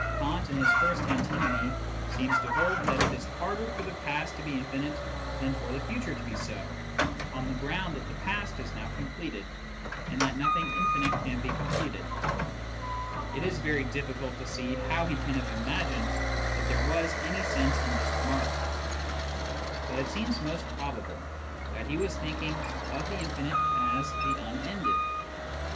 Kant, in his first antinomy, seems to hold that it is harder for the past to be infinite than for the future to be so, on the ground that the past is now completed, and that nothing infinite can be completed. It is very difficult to see how he can have imagined that therg was any sense in this remark ; but it seems most probable that he was Digitized by Google i8o SCIENTIFIC METHOD IN PHILOSOPHY thinking of the infinite as the " unended."